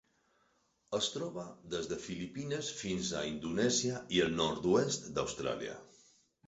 Es troba des de Filipines fins a Indonèsia i el nord-oest d'Austràlia.